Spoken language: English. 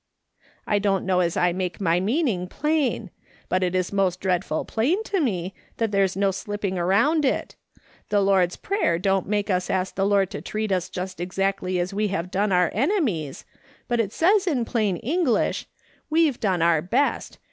" I don't know as I make my meaning plain ; but it is most dreadful plain to me that there's no slip ping around it. The Lord's Prayer don't make us ask the Lord to treat us just exactly as we have done our enemies, but it says in plain English, ' We've done our best.